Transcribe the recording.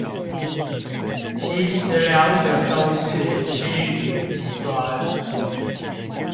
其實兩者都是趨於極端